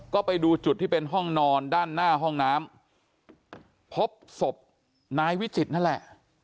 ก็ไปดูจุดที่เป็นห้องนอนด้านหน้าห้องน้ำพบศพนายวิจิตรนั่นแหละ